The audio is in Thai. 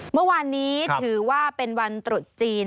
เมื่อวานนี้ถือว่าเป็นวันตรุษจีน